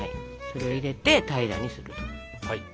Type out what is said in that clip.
それ入れて平らにすると。